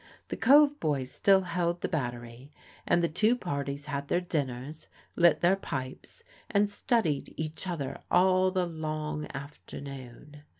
The Cove boys still held the battery; and the two parties had their dinners, lit their pipes and studied each other all the long after noon.